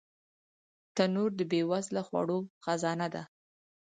تنور د بې وزله خوړو خزانه ده